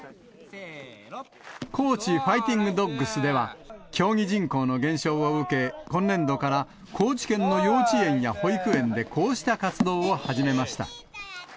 高知ファイティングドッグスでは、競技人口の減少を受け、今年度から、高知県の幼稚園や保育園でこうした活動を始めました。